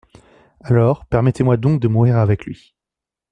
Alors, permettez-moi donc de mourir avec lui.